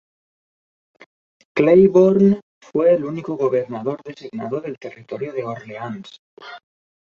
Claiborne fue el único gobernador designado del Territorio de Orleáns.